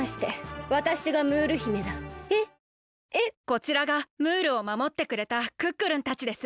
こちらがムールをまもってくれたクックルンたちです。